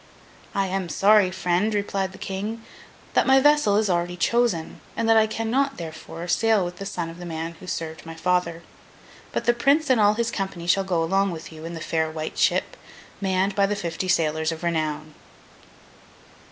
'I am sorry, friend,' replied the King, 'that my vessel is already chosen, and that I cannot (therefore) sail with the son of the man who served my father. But the Prince and all his company shall go along with you, in the fair White Ship, manned by the fifty sailors of renown.